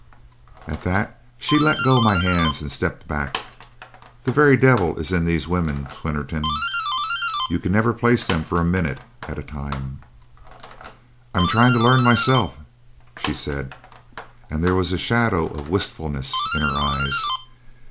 "At that, she let go my hands and stepped back. The very devil is in these women, Swinnerton. You never can place them for a minute at a time. "'I am trying to learn myself,' she said, and there was a shadow of wistfulness in her eyes.